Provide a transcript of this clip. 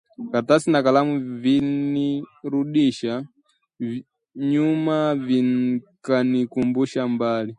Karatasi na kalamu vikanirudisha nyuma, vikanikumbusha mbali